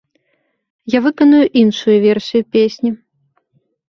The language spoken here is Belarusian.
Я выканаю іншую версію песні.